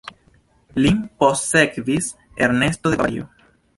Lin postsekvis Ernesto de Bavario.